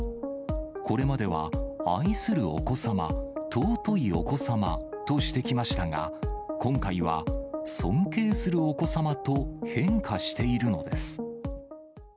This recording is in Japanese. これまでは愛するお子様、尊いお子様としてきましたが、今回は、尊敬するお子様と変化しているのです。